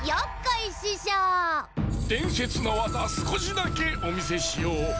でんせつのわざすこしだけおみせしよう。